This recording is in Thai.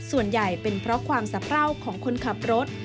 ส่วนใหญ่เป็นเพราะความสะเพราของคนขับรถ